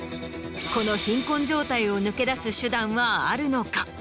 この貧困状態を抜け出す手段はあるのか。